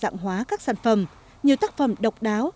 đa dạng hóa các sản phẩm nhiều tác phẩm độc đáo